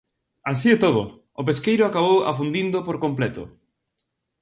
Así e todo, o pesqueiro acabou afundindo por completo.